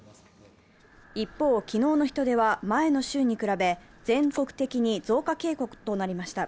一方、昨日の人出は前の週に比べ全国的に増加傾向となりました。